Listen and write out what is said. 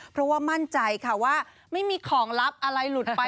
เพราะว่ามั่นใจค่ะว่าไม่มีของลับอะไรหลุดไป